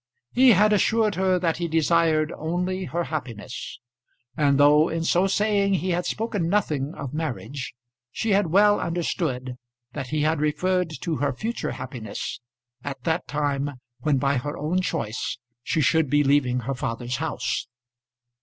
He had assured her that he desired only her happiness; and though in so saying he had spoken nothing of marriage, she had well understood that he had referred to her future happiness, at that time when by her own choice she should be leaving her father's house.